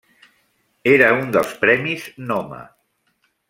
Era un dels Premis Noma.